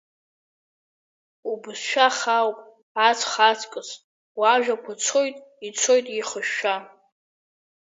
Убызшәа хаауп, ацха аҵкыс, уажәақәа цоит, ицоит еихышәшәа.